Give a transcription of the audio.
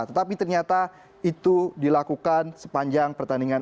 tetapi ternyata itu dilakukan sepanjang pertandingan